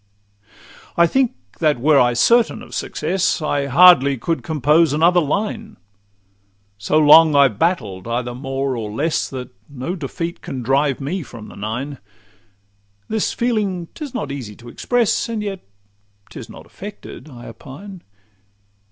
I think that were I certain of success, I hardly could compose another line: So long I've battled either more or less, That no defeat can drive me from the Nine. This feeling 'tis not easy to express, And yet 'tis not affected, I opine.